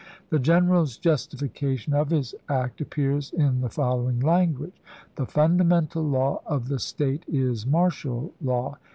The general's justification of his act appears in the following language :" The fundamental law of the State is martial law.